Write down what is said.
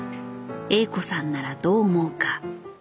Ａ子さんならどう思うか。